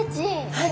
はい。